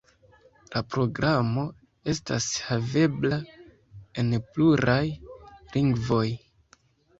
La programo estas havebla en pluraj lingvoj.